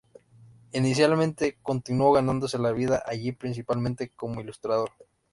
Inicialmente, continuó ganándose la vida allí principalmente como ilustrador.